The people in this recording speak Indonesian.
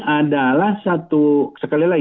adalah satu sekali lagi